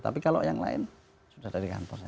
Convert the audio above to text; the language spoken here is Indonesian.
tapi kalau yang lain sudah dari kantor saja